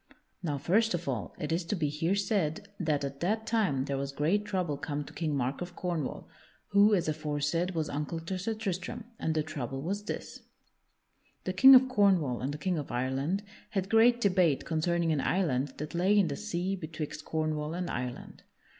_ Now first of all it is to be here said that at that time there was great trouble come to King Mark of Cornwall (who, as aforesaid, was uncle to Sir Tristram) and the trouble was this: [Sidenote: The King of Ireland claims truage of Cornwall] The King of Cornwall and the King of Ireland had great debate concerning an island that lay in the sea betwixt Cornwall and Ireland.